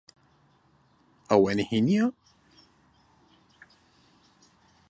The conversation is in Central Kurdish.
ئەوە نهێنییە؟